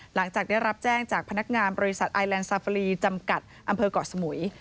หลังจากได้รับแจ้งจากพนักงานบริษัทไอแลนด์ซาฟารีจำกัดอำเภอกเกาะสมุย